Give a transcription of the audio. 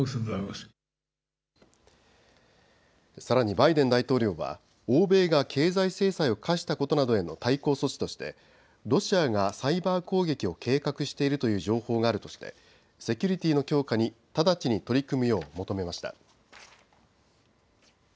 さらにバイデン大統領は欧米が経済制裁を科したことなどへの対抗措置としてロシアがサイバー攻撃を計画しているという情報があるとしてセキュリティーの強化に直ちに取り組むよう求めました。